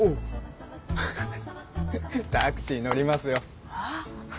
タクシー乗りますよ。